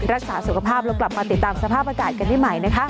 รักษาสุขภาพแล้วกลับมาติดตามสภาพอากาศกันได้ใหม่นะคะ